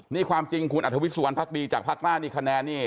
นี่ความจริงคุณอัธวิสุวรรณภักดีจากพักหน้านี่คะแนนนี่